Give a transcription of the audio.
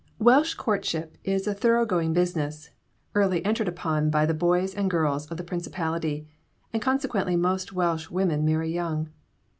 I. Welsh courtship is a thorough going business, early entered upon by the boys and girls of the Principality; and consequently most Welsh women marry young.